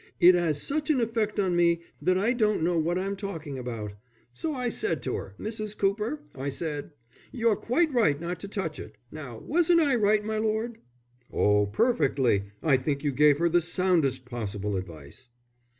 It 'as such an effect on me that I don't know what I'm talking about.' So I said to 'er: 'Mrs. Cooper,' I said, 'you're quite right not to touch it.' Now wasn't I right, my lord?" "Oh, perfectly! I think you gave her the soundest possible advice."